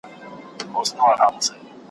راځه ولاړ سه له نړۍ د انسانانو ,